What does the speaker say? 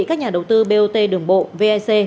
các nhà đầu tư bot đường bộ vic